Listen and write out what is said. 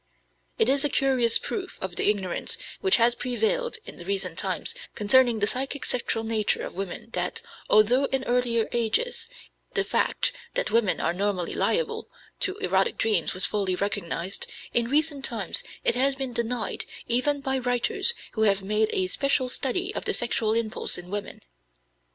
It is a curious proof of the ignorance which has prevailed in recent times concerning the psychic sexual nature of women that, although in earlier ages the fact that women are normally liable to erotic dreams was fully recognized, in recent times it has been denied, even by writers who have made a special study of the sexual impulse in women.